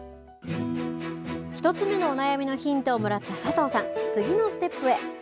１つ目のお悩みのヒントをもらった佐藤さん、次のステップへ。